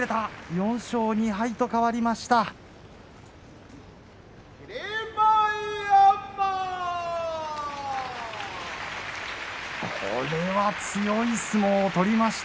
４勝２敗と変わりました。